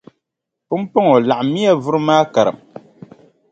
Pumpɔŋɔ laɣimmiya vuri maa karim.